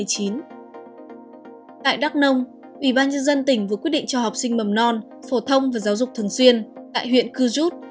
tại đắk nông ủy ban nhân dân tỉnh vừa quyết định cho học sinh mầm non phổ thông và giáo dục thường xuyên tại huyện cư rút